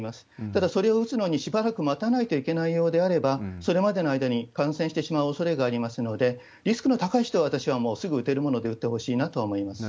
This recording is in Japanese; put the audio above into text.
ただ、それを打つのにしばらく待たないといけないようであれば、それまでの間に感染してしまうおそれがありますので、リスクの高い人は、私はもうすぐ打てるものなら打ってほしいなと思います。